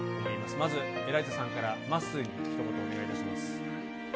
まず、エライザさんからマッスーに、ひと言お願いいたします。